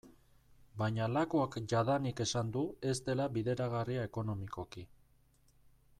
Baina Lakuak jadanik esan du ez dela bideragarria ekonomikoki.